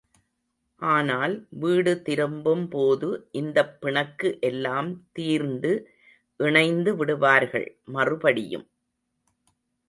ஆனால், வீடு திரும்பும் போது இந்தப் பிணக்கு எல்லாம் தீர்ந்து இணைந்து விடுவார்கள் மறுபடியும்.